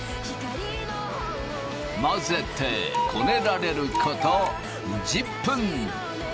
混ぜてこねられること１０分。